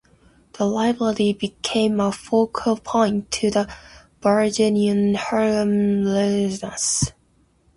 The library became a focal point to the burgeoning Harlem Renaissance.